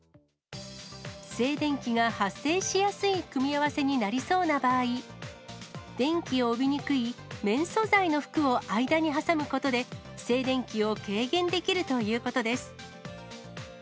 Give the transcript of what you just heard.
静電気が発生しやすい組み合わせになりそうな場合、電気を帯びにくい綿素材の服を間に挟むことで、静電気を軽減できるということです。